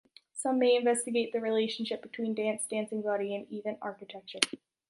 Some may investigate the relationship between dance, dancing body, and even architecture.